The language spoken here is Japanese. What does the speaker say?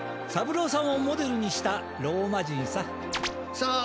三郎さんをモデルにしたローマ人さ。